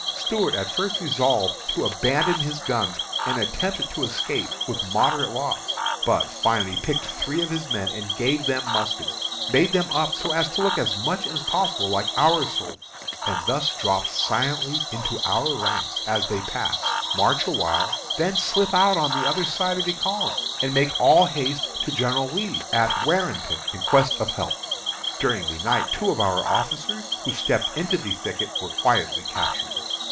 Stuart at first resolved to abandon his guns and attempt to escape with moderate loss, but finally picked three of his men, gave them muskets, made them up so as to look as much as possible like our soldiers, and thus drop silently into our ranks as they passed, march awhile, then slip out on the other side of the column, and make all haste to General Lee, at Warrenton, in quest of help. During the night two of our officers, who stepped into the thicket, were quietly captured.